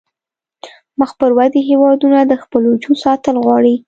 مخ پر ودې هیوادونه د خپل وجود ساتل غواړي